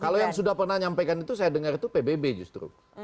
kalau yang sudah pernah nyampaikan itu saya dengar itu pbb justru